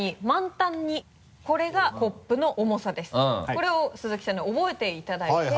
これを鈴木さんに覚えていただいて。